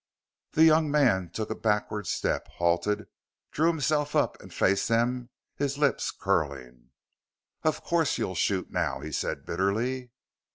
The young man took a backward step, halted, drew himself up and faced them, his lips curling. "Of course you'll shoot now," he said bitterly.